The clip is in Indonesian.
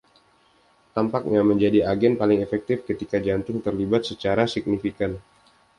Tampaknya menjadi agen paling efektif ketika jantung terlibat secara signifikan.